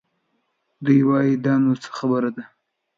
دوی وايي دا نو څه خبره ده؟